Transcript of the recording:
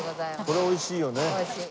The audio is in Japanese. これ美味しいよね。